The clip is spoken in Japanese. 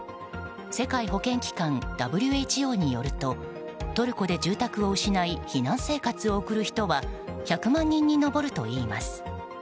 世界保健機関・ＷＨＯによるとトルコで住宅を失い避難生活を送る人は１００万人に上るといいます。